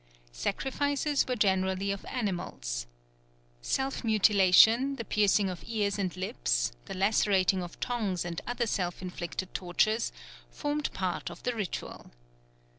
Sacrifices were generally of animals. Self mutilation, the piercing of ears and lips, the lacerating of tongues and other self inflicted tortures, formed part of the ritual.